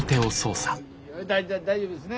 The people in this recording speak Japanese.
だ大丈夫ですね？